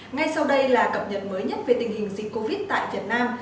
ngay sau đây là cập nhật mới nhất về tình hình dịch covid tại việt nam